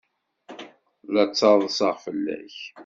La ttaḍsaɣ fell-ak.